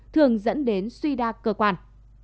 thường dẫn đến suy đa cơ quan